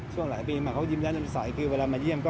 ช่วงหลายปีมาเขายิ้มแย้มใสคือเวลามาเยี่ยมก็